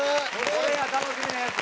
これや楽しみなやつ！